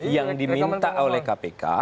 yang diminta oleh kpk